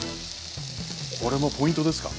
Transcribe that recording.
これもポイントですか？